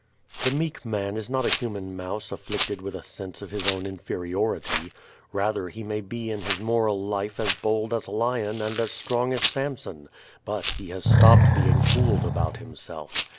The meek man is not a human mouse afflicted with a sense of his own inferiority. Rather he may be in his moral life as bold as a lion and as strong as Samson; but he has stopped being fooled about himself.